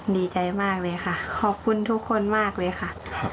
ดีใจมากเลยค่ะขอบคุณทุกคนมากเลยค่ะ